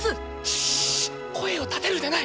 しっ声を立てるでない。